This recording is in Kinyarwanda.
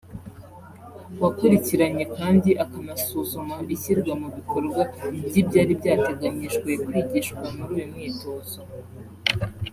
wakurikiranye kandi akanasuzuma ishyirwa mu bikorwa ry’ibyari byateganyijwe kwigishwa muri uyu mwitozo